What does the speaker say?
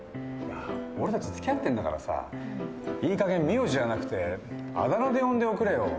俺たち付き合ってんだからさいいかげん名字じゃなくてあだ名で呼んでおくれよ。